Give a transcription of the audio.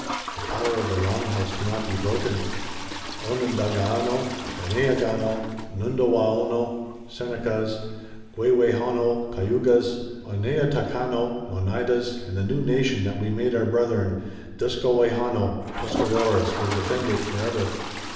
The power of the Long House cannot be broken. Onundagaono, Ganeogaono, Nundawaono (Senecas), Gweugwehono (Cayugas), Onayotekaono (Oneidas) and the new nation that we made our brethren, Dusgaowehono (Tuscaroras), will defend it forever."